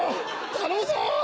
頼むぞ！